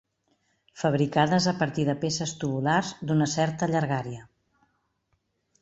Fabricades a partir de peces tubulars d'una certa llargària.